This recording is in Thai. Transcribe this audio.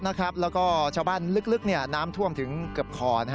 แล้วก็ชาวบ้านลึกน้ำท่วมถึงเกือบคอ